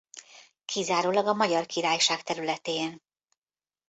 Kizárólag a Magyar Királyság területén.